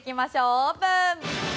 オープン。